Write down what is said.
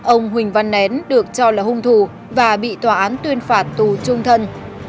ông huỳnh văn nén được cho là hung thủ và bị tòa án tuyên phạt tù trung thân